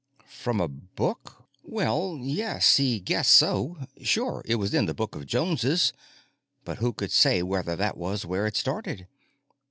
From a book? Well yes, he guessed so; sure it was in the Book of Joneses, but who could say whether that was where it started.